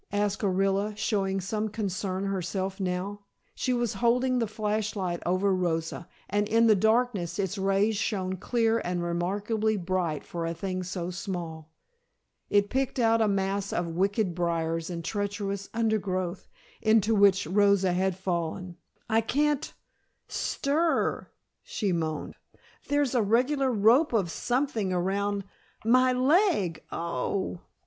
asked Orilla, showing some concern herself now. She was holding the flash light over Rosa, and in the darkness its rays shone clear and remarkably bright for a thing so small. It picked out a mass of wicked briars and treacherous undergrowth into which Rosa had fallen. "I can't stir " she moaned. "There's a regular rope of something around my leg. Oh h h!"